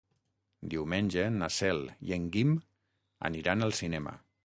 Diumenge na Cel i en Guim aniran al cinema.